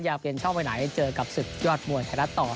อยากเปลี่ยนช่องไหนเจอกับ๑๐ยอดมวลไทยรัฐตอน